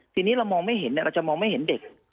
ทีนี้เรามองไม่เห็นเราจะมองไม่เห็นเด็ก